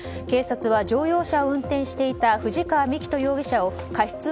警察は乗用車を運転していた藤川幹人容疑者を過失